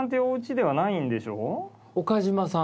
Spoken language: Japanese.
岡嶋さん。